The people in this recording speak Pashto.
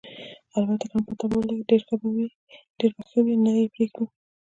البته که مو په طبعه ولګېدل، ډېر به ښه وي، نه یې پرېږدو.